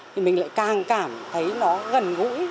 thì mình lại càng cảm thấy nó gần gũi